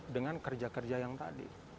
dengan kerja kerja yang tadi